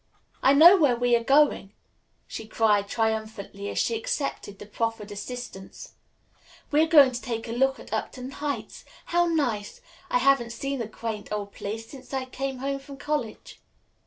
"I know where we are going," she cried triumphantly, as she accepted the proffered assistance. "We are going to take a look at Upton Heights. How nice! I haven't seen the quaint old place since I came home from college.